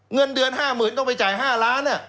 เงินเดือนห้าหมื่นต้องไปจ่ายห้าล้าน